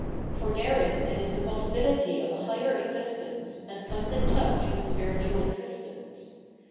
For therein it is the possibihty of a higher existence, and conies in touch with spiritual existence.